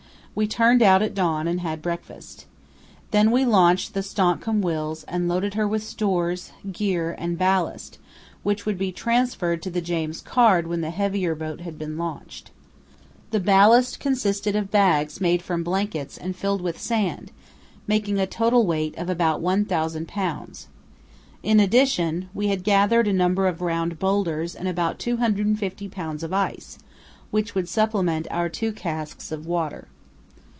We turned out at dawn and had breakfast. Then we launched the Stancomb Wills and loaded her with stores, gear, and ballast, which would be transferred to the James Caird when the heavier boat had been launched. The ballast consisted of bags made from blankets and filled with sand, making a total weight of about 1000 lbs. In addition we had gathered a number of round boulders and about 250 lbs. of ice, which would supplement our two casks of water.